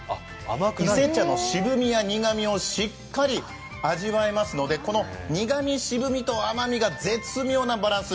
伊勢茶の渋みや苦みをしっかり味わえますので苦み、渋み、甘みが絶妙なバランス。